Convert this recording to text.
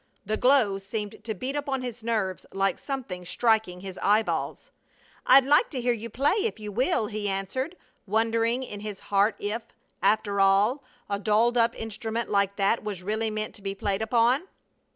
The glow seemed to beat upon his nerves like something striking his eyeballs. "I'd like to hear you play, if you will," he answered, wondering in his heart if, after all, a dolled up instrument like that was really meant to be played upon.